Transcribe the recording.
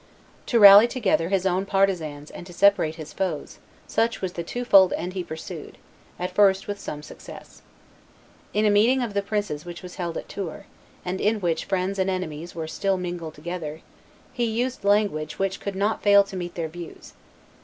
To rally together his own partisans and to separate his foes, such was the twofold end he pursued, at first with some success. In a meeting of the princes which was held at Tours, and in which friends and enemies were still mingled together, he used language which could not fail to meet their views.